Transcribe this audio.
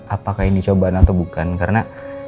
apakah ini cobaan atau bukan karena